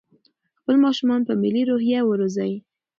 خپل ماشومان په ملي روحيه وروزئ.